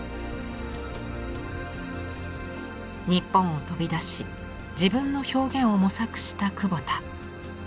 日本を飛び出し自分の表現を模索した久保田。